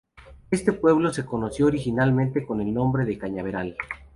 Este pueblo se conoció originalmente con el nombre de "Cañaveral".